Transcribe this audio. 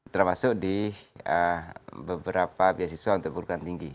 termasuk di beberapa beasiswa untuk al quran tinggi